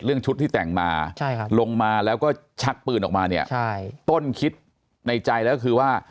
ชุดที่แต่งมาลงมาแล้วก็ชักปืนออกมาเนี่ยใช่ต้นคิดในใจแล้วก็คือว่า